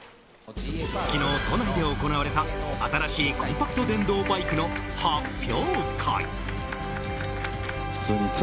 昨日、都内で行われた新しいコンパクト電動バイクの発表会。